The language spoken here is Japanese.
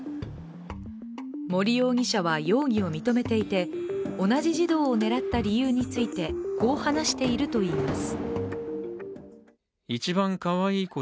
森容疑者は容疑を認めていて同じ児童を狙った理由についてこう話しているといいます。